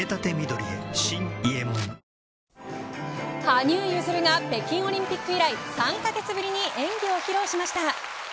羽生結弦が北京オリンピック以来３カ月ぶりに演技を披露しました。